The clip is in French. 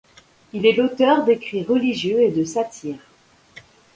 Il est l’auteur d’écrits religieux et de satires.